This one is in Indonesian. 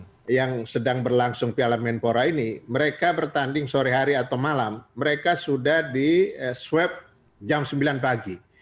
pertandingan yang sedang berlangsung piala menpora ini mereka bertanding sore hari atau malam mereka sudah di swab jam sembilan pagi